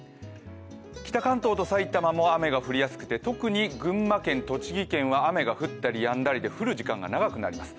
北関東と埼玉も雨が降りやすくて特に群馬県、栃木県は雨が降ったりやんだりで降る時間が長くなります。